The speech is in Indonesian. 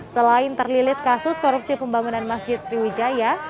selain terlilit kasus korupsi pembangunan masjid sriwijaya